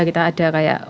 kita ada kayak